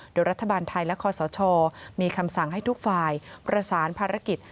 โดยรัฐบาลไทยและคอสชมีคำสั่งให้ทุกฝ่ายประสานภารกิจ